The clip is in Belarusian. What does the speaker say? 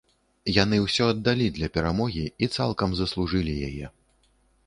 Яны ўсё аддалі для перамогі, і цалкам заслужылі яе.